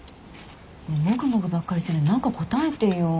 もぐもぐばっかりしてないで何か答えてよ。